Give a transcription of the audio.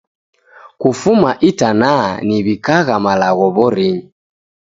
Kufuma itanaa niw'ikaghagha malagho w'orinyi.